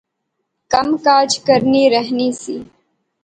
کم کاج کرنی رہنی سی